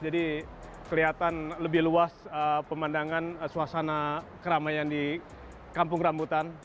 jadi kelihatan lebih luas pemandangan suasana keramaian di kampung rambutan